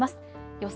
予想